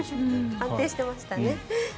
安定してましたね。